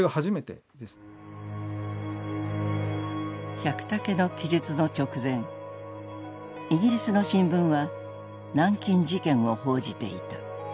百武の記述の直前イギリスの新聞は南京事件を報じていた。